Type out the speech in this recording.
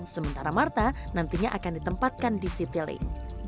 sementara marta nantinya akan ditempatkan di citylink